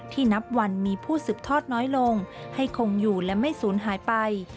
นับวันมีผู้สืบทอดน้อยลงให้คงอยู่และไม่สูญหายไป